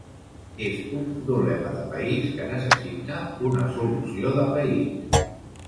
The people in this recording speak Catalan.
És un problema de país que necessita una solució de país.